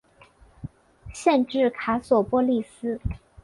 县治卡索波利斯。